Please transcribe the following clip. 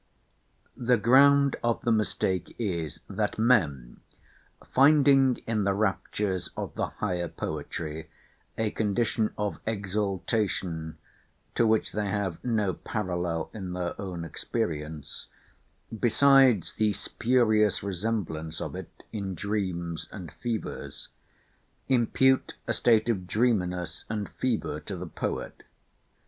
The ground of the mistake is, that men, finding in the raptures of the higher poetry a condition of exaltation, to which they have no parallel in their own experience, besides the spurious resemblance of it in dreams and fevers, impute a state of dreaminess and fever to the poet.